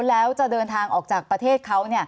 แล้วจะเดินทางออกจากประเทศเขา